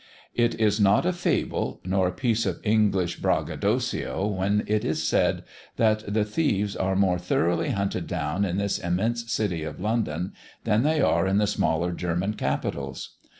It is not a fable, nor a piece of English braggadocio, when it is said, that the thieves are more thoroughly hunted down in this immense city of London, than they are in the smaller German capitals.